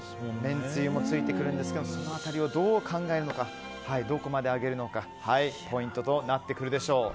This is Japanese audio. めんつゆもついてくるんですがその辺りをどう考えるのかどこまで上げるのかがポイントとなってくるでしょう。